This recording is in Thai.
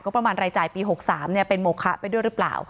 ประมาณรายจ่ายปี๖๓เป็นโมคะไปด้วยหรือเปล่า